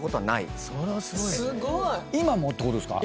今もってことですか？